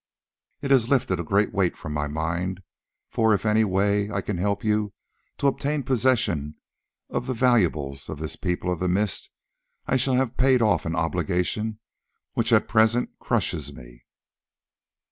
It has lifted a great weight from my mind, for if in any way I can help you to obtain possession of the valuables of this People of the Mist I shall have paid off an obligation which at present crushes me."